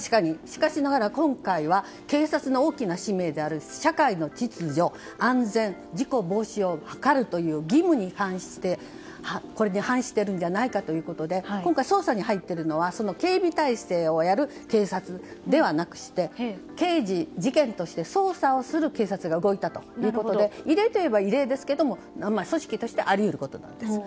しかし、今回は警察の大きな使命である社会の秩序、安全事故防止を図るという義務に反しているんじゃないかということで今回、捜査に入っているのは警備態勢をやる警察ではなくて事件を捜査をする警察が動いたということで異例といえば異例ですが組織としてはあり得ることです。